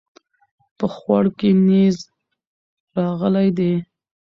په خوړ کې نيز راغلی دی